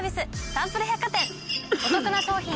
サンプル百貨店。